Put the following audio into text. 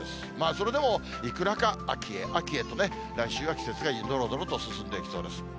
それでも、いくらか秋へ秋へとね、来週は季節がのろのろと進んでいきそうです。